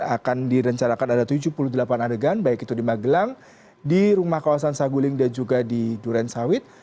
akan direncanakan ada tujuh puluh delapan adegan baik itu di magelang di rumah kawasan saguling dan juga di duren sawit